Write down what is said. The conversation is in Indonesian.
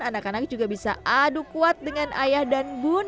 anak anak juga bisa adu kuat dengan ayah dan bun